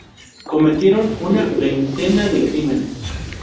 Cometieron una veintena de crímenes.